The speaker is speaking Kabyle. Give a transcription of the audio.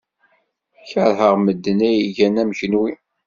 Keṛheɣ medden ay igan am kenwi.